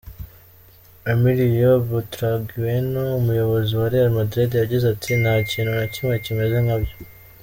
Emilio Butragueno, umuyobozi wa Real Madrid, yagize ati: "Nta kintu na kimwe kimeze nkabyo.